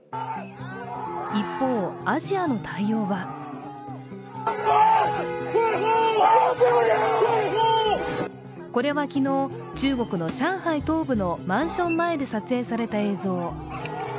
一方、アジアの対応はこれは昨日、中国の上海東部のマンション前で撮影された映像。